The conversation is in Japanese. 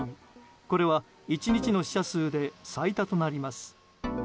これは１日の死者数で最多となります。